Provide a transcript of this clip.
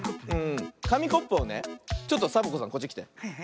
かみコップをねちょっとサボ子さんこっちきて。